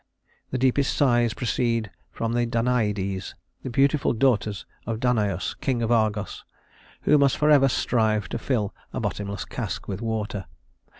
The deepest sighs proceed from the Danaïdes, the beautiful daughters of Danaüs, king of Argos, who must forever strive to fill a bottomless cask with water.